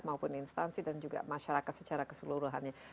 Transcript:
maupun instansi dan juga masyarakat secara keseluruhannya